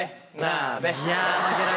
いや負けられない。